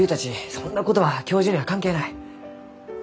そんなことは教授には関係ない。